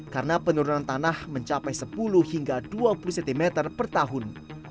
karena penurunan tanah mencapai sepuluh hingga dua puluh cm per tahun